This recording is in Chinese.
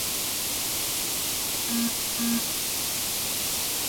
蝶须为菊科蝶须属的植物。